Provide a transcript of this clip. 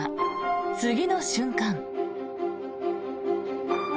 次の瞬間。